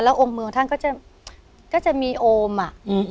แล้วองค์มือองค์ท่านก็จะก็จะมีโอมอ่ะอืม